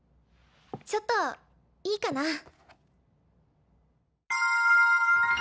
ちょっといいかな。